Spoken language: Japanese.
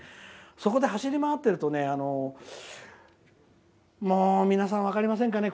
そこで走り回っていると皆さん分かりませんかね？